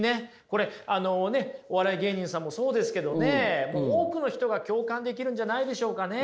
これお笑い芸人さんもそうですけどねもう多くの人が共感できるんじゃないでしょうかね。